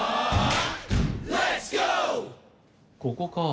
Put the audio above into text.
ここか。